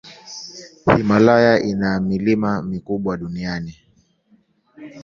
Himalaya ina milima mikubwa duniani.